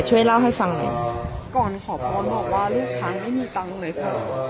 ช่วยเล่าให้ฟังหน่อยก่อนขอพรบอกว่าลูกชายไม่มีตังค์เลยค่ะ